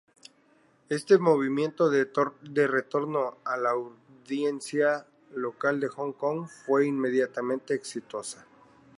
Este movimiento de retorno a la audiencia local de Hong Kong fue inmediatamente exitosa.